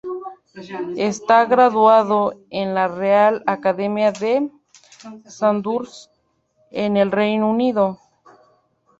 Está graduado en la Real Academia de Sandhurst en el Reino Unido.